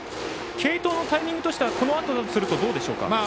継投のタイミングとしてはこのあとどうでしょうか？